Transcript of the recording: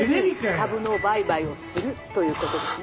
「株の売買をするということですね」。